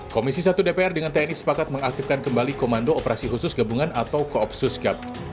komisi satu dpr dengan tni sepakat mengaktifkan kembali komando operasi khusus gabungan atau koopsus gap